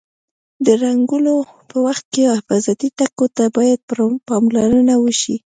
د رنګولو په وخت کې حفاظتي ټکو ته باید پاملرنه وشي.